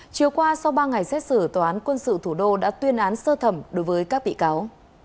chiều qua sau ba ngày xét xử tòa án quân sự thủ đô đã tuyên án sơ thẩm đối với các bị cáo